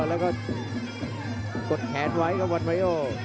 แล้วก็กดแขนไว้คมันนี้